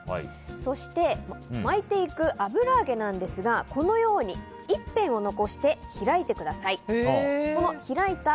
そして巻いていく油揚げなんですがこのように一辺を残して開いてください。